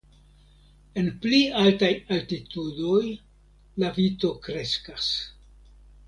En pli altaj altitudoj la vito kreskas.